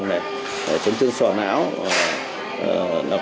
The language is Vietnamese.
chấn thương sò não hoặc là các trường hợp đa chấn thương